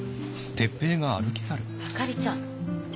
あかりちゃん。